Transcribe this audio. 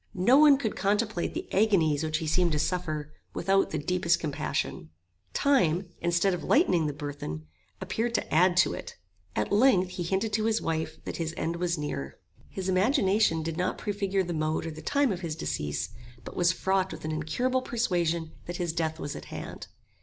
No one could contemplate the agonies which he seemed to suffer without the deepest compassion. Time, instead of lightening the burthen, appeared to add to it. At length he hinted to his wife, that his end was near. His imagination did not prefigure the mode or the time of his decease, but was fraught with an incurable persuasion that his death was at hand.